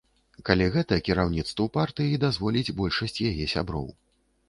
Калі гэта кіраўніцтву партыі дазволіць большасць яе сяброў.